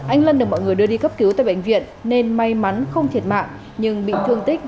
anh lân được mọi người đưa đi cấp cứu tại bệnh viện nên may mắn không thiệt mạng nhưng bị thương tích năm mươi bốn